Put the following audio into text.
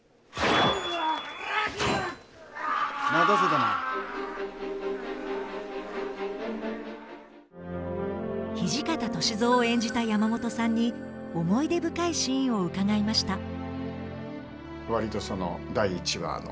土方歳三を演じた山本さんに思い出深いシーンを伺いました。